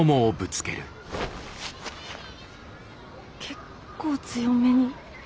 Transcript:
結構強めに。